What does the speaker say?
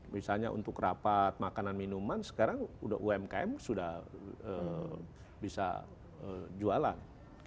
misalnya untuk rapat makanan minuman sekarang umkm sudah bisa jualan